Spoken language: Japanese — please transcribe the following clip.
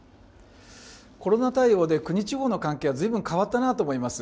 コロナ対応で国、地方の関係はずいぶん変わったなと思います。